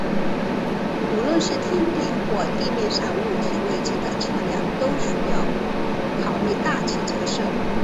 无论是天体或地面上物体位置的测量都需要考虑大气折射。